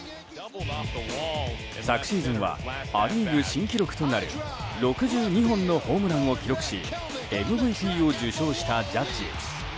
昨シーズンはア・リーグ新記録となる６２本のホームランを記録しＭＶＰを受賞したジャッジ。